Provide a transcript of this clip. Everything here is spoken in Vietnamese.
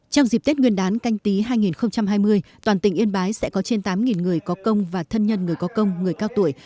trong dịp tết nguyên đán canh tí hai nghìn hai mươi toàn tỉnh yên bái sẽ có trên tám người có công và thân nhân người có công người cao tuổi